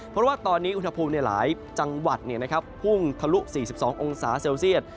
เพราะว่าตอนนี้อุณหภูมิในหลายจังหวัดพุ่งทะลุ๔๒องศาเซลเซียต